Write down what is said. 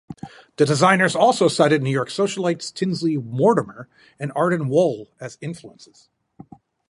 The designers also cited New York socialites Tinsley Mortimer and Arden Wohl as influences.